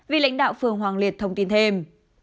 vì lãnh đạo phường hoàng liệt thông tin thêm